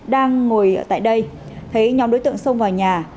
đang ngồi tại đây thấy nhóm đối tượng xông vào nhà